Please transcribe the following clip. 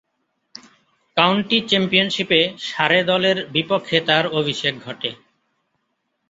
County চ্যাম্পিয়নশীপে Surrey দলের বিপক্ষে তার অভিষেক ঘটে।